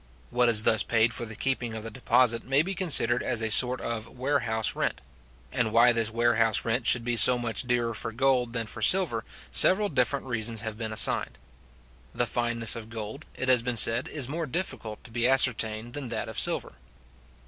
What is thus paid for the keeping of the deposit may be considered as a sort of warehouse rent; and why this warehouse rent should be so much dearer for gold than for silver, several different reasons have been assigned. The fineness of gold, it has been said, is more difficult to be ascertained than that of silver.